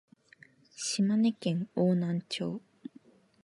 島根県邑南町